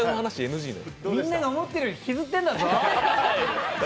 みんなが思ってるより引きずってるんだぞ。